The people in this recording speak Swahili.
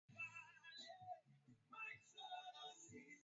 Hakikisha kwamba mifugo mipya inayoingizwa kwako haina maambukizi